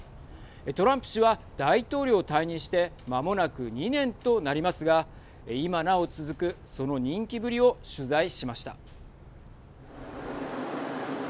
トランプ氏は大統領を退任してまもなく２年となりますが今なお続くその人気ぶりを取材しました。